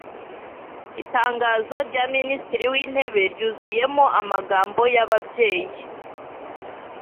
itangazo rya minisitiri w'intebe ryuzuyemo amagambo y'ababyeyi